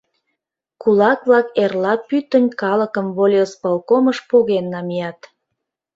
Кулак-влак эрла пӱтынь калыкым волисполкомыш поген намият...